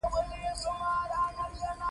رقیب زما د ذهني تمرکز یوه برخه ده